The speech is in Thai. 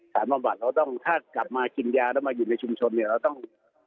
บำบัดเราต้องถ้ากลับมากินยาแล้วมาอยู่ในชุมชนเนี่ยเราต้อง